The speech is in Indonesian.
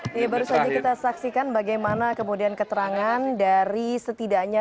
ini baru saja kita saksikan bagaimana kemudian keterangan dari setidaknya